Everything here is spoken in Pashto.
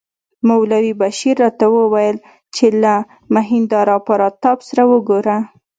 مولوي بشیر راته وویل چې له مهیندراپراتاپ سره وګوره.